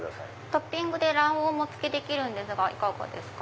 トッピングで卵黄もお付けできますがいかがですか？